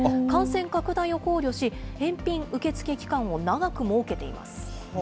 感染拡大を考慮し、返品受付期間を長く設けています。